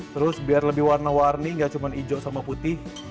terus biar lebih warna warni nggak cuma hijau sama putih